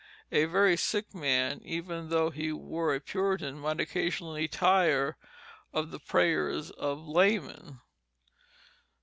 A very sick man, even though he were a Puritan, might occasionally tire of the prayers of laymen.